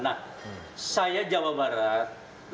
nah saya jawa barat